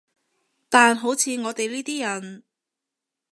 但好似我哋呢啲人